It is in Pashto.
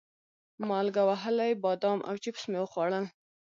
مالګه وهلي بادام او چپس مې وخوړل.